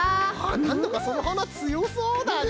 なんだかそのはなつよそうだね！